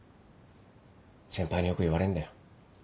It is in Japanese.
先輩によく言われんだよ。